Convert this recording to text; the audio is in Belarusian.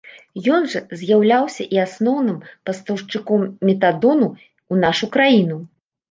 Ён жа з'яўляўся і асноўным пастаўшчыком метадону ў нашу краіну.